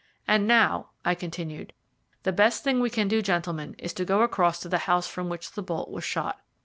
"And now," I continued, "the best thing we can do, gentlemen, is to go across to the house from which the bolt was shot.